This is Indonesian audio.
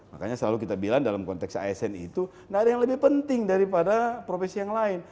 makanya selalu kita bilang dalam konteks asn itu tidak ada yang lebih penting daripada profesi yang lain